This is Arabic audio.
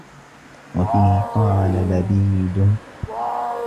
وَفِيهِ قَالَ لَبِيدٌ